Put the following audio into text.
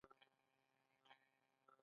دوی د امازون په څیر کار کوي.